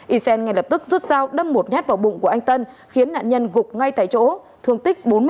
ysen ngay lập tức rút dao đâm một nhát vào bụng của anh tân khiến nạn nhân gục ngay tại chỗ thương tích bốn mươi năm